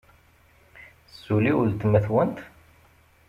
Tessulli weltma-twent?